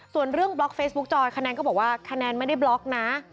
ส่วนเรื่องบล็อกเฟซบุ๊คจอยคะแนนก็บอกว่าคะแนนไม่ได้บล็อกนะ